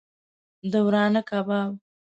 د ورانه کباب